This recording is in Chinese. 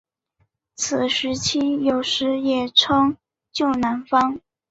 此时期有时也称旧南方。